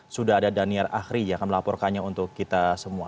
sudah ada daniar ahri yang akan melaporkannya untuk kita semua